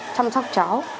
chăm sóc cháu